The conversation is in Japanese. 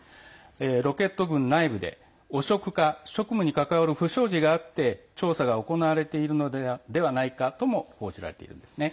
ロケット軍内部で、汚職か職務に関わる不祥事があって調査が行われているのではないかとも報じられているんですね。